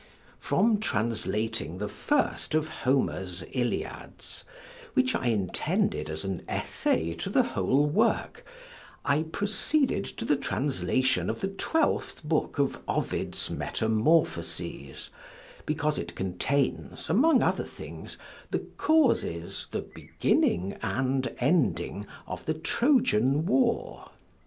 From translating the first of Homer's Iliads (which I intended as an essay to the whole work) I proceeded to the translation of the twelfth book of Ovid's Metamorphoses, because it contains, among other things, the causes, the beginning, and ending, of the Trojan war.